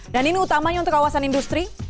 dan ini utamanya untuk kawasan industri